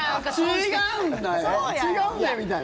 違うんだよみたいな。